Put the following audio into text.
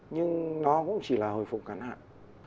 nhưng nó cũng chỉ là hồi phục cắn hạn